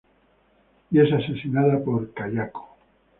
Y es asesinada por Kayako.